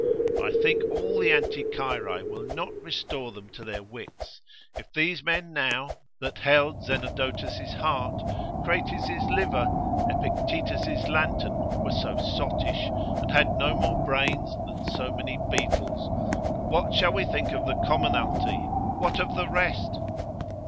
I think all the Anticyrae will not restore them to their wits, if these men now, that held Xenodotus' heart, Crates' liver, Epictetus' lantern, were so sottish, and had no more brains than so many beetles, what shall we think of the commonalty? what of the rest?